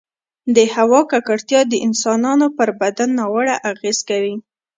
د هـوا ککـړتيـا د انسـانـانو پـر بـدن نـاوړه اغـېزه کـوي